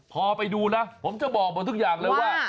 พอไปดูนะผมจะบอกหมดทุกอย่างเลยว่า